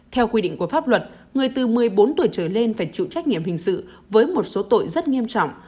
theo quy định của pháp luật người từ một mươi bốn tuổi trở lên phải chịu trách nhiệm hình sự với một số tội rất nghiêm trọng